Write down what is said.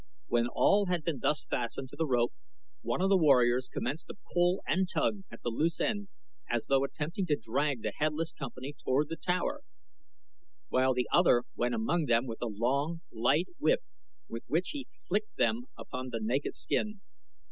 When all had been thus fastened to the rope one of the warriors commenced to pull and tug at the loose end as though attempting to drag the headless company toward the tower, while the other went among them with a long, light whip with which he flicked them upon the naked skin.